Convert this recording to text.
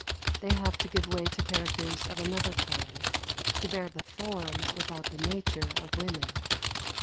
They have to give way to characters of another kind, who bear the form without the nature of women.